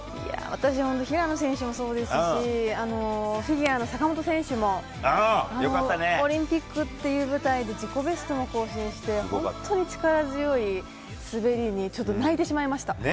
私は平野選手もそうですしフィギュアの坂本選手もオリンピックという舞台で自己ベストも更新して本当に力強い滑りに泣いてしまいました。